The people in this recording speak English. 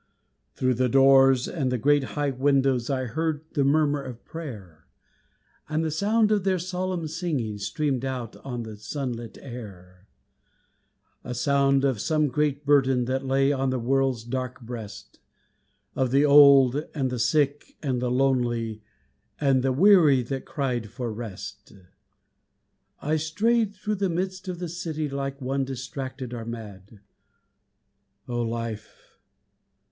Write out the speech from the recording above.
Through the doors and the great high windows I heard the murmur of prayer, And the sound of their solemn singing Streamed out on the sunlit air; A sound of some great burden That lay on the world's dark breast, Of the old, and the sick, and the lonely, And the weary that cried for rest. I strayed through the midst of the city Like one distracted or mad. "Oh, Life!